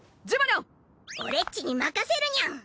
オレっちに任せるニャン！